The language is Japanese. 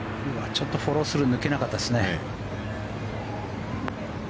ちょっとフォロースルー抜けなかったですね。